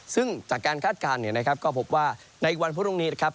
ซึ่งจากการคาดการณ์เนี่ยนะครับก็พบว่าในวันพรุ่งนี้นะครับ